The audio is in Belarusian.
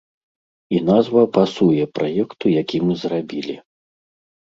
І назва пасуе праекту, які мы зрабілі.